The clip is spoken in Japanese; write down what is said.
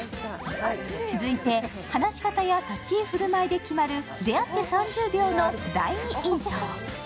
続いて、話し方や立ち居振る舞いで決まる出会って３０秒の第二印象。